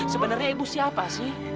sebenernya ibu siapa sih